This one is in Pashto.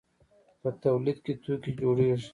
په تولید کې توکي جوړیږي.